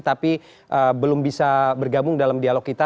tapi belum bisa bergabung dalam dialog kita